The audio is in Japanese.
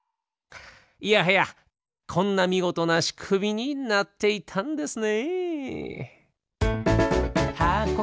いやはやこんなみごとなしくみになっていたんですね。